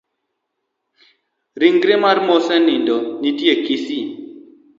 Rigre mar mosenindo nitie kisii.